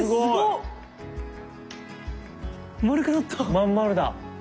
まん丸だ！